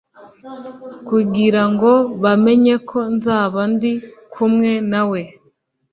kugira ngo bamenye ko nzaba ndi kumwe nawe